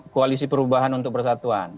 koalisi perubahan untuk persatuan